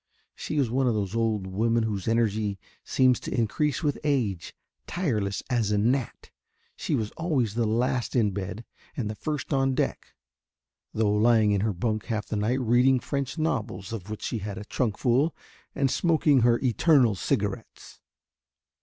She was one of those old women whose energy seems to increase with age, tireless as a gnat she was always the last in bed and the first on deck, though lying in her bunk half the night reading French novels of which she had a trunkful and smoking her eternal cigarettes.